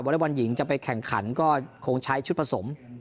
เล็กบอลหญิงจะไปแข่งขันก็คงใช้ชุดผสม